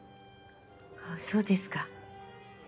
そうですか。